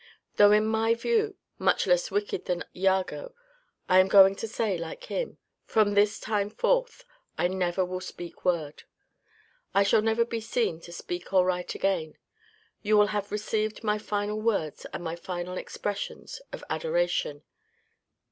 Though in my view, much less wicked than Iago, I am going to say, like him :' From this time forth, I never will speack word.' * I shall never be seen to speak or write again. You will have received my final words and my final expressions of adoration.